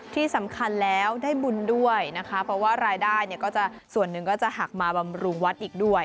ที่สำคัญแล้วได้บุญด้วยนะคะเพราะว่ารายได้ส่วนหนึ่งก็จะหักมาบำรุงวัดอีกด้วย